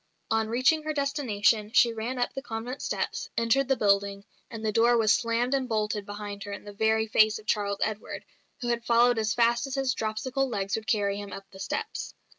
On reaching her destination she ran up the convent steps, entered the building, and the door was slammed and bolted behind her in the very face of Charles Edward, who had followed as fast as his dropsical legs would carry him up the steps.